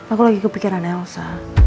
aku lagi kepikiran elsa